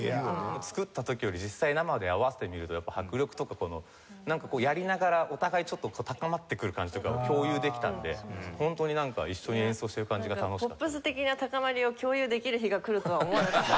作った時より実際生で合わせてみるとやっぱ迫力とかこのなんかやりながらお互いちょっと高まってくる感じとかを共有できたのでホントになんか一緒に演奏してる感じが楽しかった。